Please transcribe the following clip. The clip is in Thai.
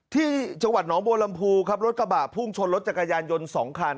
ที่จังหวัดน้องโบรัมพูครับรถกระบาดพุ่งชนรถจักรยานยนต์สองคัน